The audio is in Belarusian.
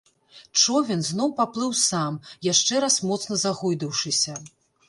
Човен зноў паплыў сам, яшчэ раз моцна загойдаўшыся.